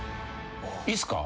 いいっすか？